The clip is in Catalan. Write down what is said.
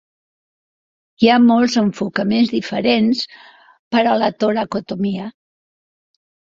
Hi ha molts enfocaments diferents per a la toracotomia.